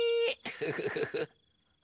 フフフフ。